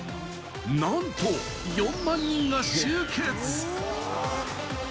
なんと４万人が集結。